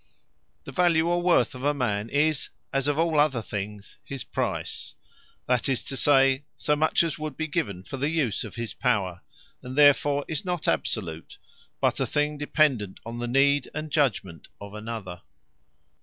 Worth The Value, or WORTH of a man, is as of all other things, his Price; that is to say, so much as would be given for the use of his Power: and therefore is not absolute; but a thing dependant on the need and judgement of another.